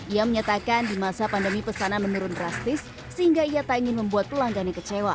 ia menyatakan di masa pandemi pesanan menurun drastis sehingga ia tak ingin membuat pelanggannya kecewa